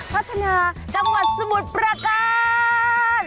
พัฒนาจังหวัดสมุทรประการ